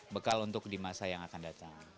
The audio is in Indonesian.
bekal untuk di masa yang akan datang